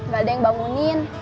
gak ada yang bangunin